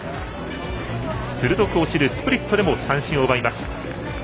鋭く落ちるスプリットでも三振を奪います。